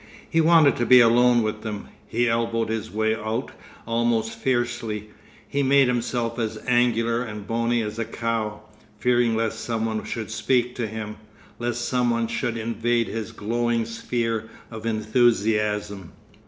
He wanted to be alone with them; he elbowed his way out almost fiercely, he made himself as angular and bony as a cow, fearing lest some one should speak to him, lest some one should invade his glowing sphere of enthusiasm.